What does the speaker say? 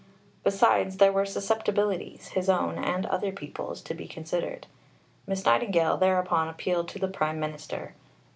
Besides, there were susceptibilities his own and other people's to be considered. Miss Nightingale thereupon appealed to the Prime Minister.